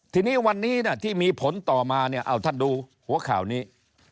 ทีนี้วันนี้ที่มีผลต่อมาเนี่ยเอาท่านดูหัวข่าวนี้